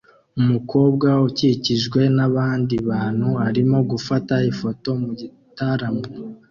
Umukobwa ukikijwe nabandi bantu arimo gufata ifoto mugitaramo